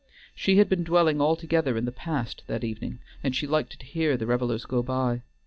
She had been dwelling altogether in the past that evening, and she liked to hear the revelers go by.